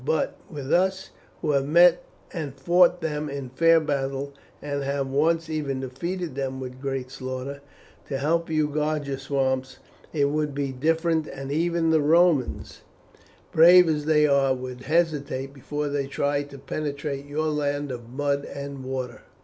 But with us who have met and fought them in fair battle, and have once even defeated them with great slaughter to help you to guard your swamps, it would be different, and even the Romans, brave as they are, would hesitate before they tried to penetrate your land of mud and water.